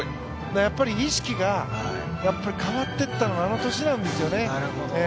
やっぱり意識が変わっていったのがあの年なんですよね。